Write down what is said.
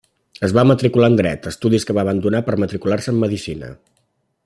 Es va matricular en Dret, estudis que va abandonar per matricular-se en Medicina.